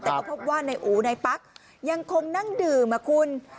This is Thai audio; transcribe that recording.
แต่ก็พบว่านายอู๋ในปั๊กยังคงนั่งดื่มอะคุณ